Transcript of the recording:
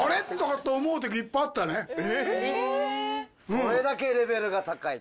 それだけレベルが高いと。